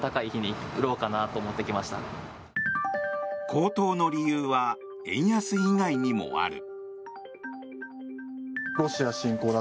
高騰の理由は円安以外にもある。